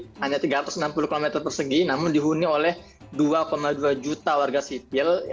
hanya tiga ratus enam puluh km persegi namun dihuni oleh dua dua juta warga sipil